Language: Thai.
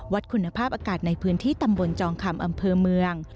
คุณภาพอากาศในพื้นที่ตำบลจองคำอำเภอเมือง